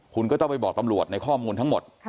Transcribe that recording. คุณก็ต้องไปบอกตำรวจในข้อมูลทั้งหมด